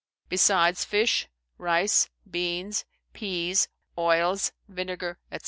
Besides fish, rise, beanes, pease, oils, vinegar, &c.